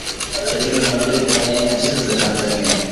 shilingi mia mbili themanini na tisa za Tanzania